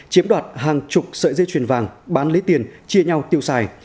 chiếm đoạt hàng chục sợi dây chuyền vàng bán lấy tiền chia nhau tiêu xài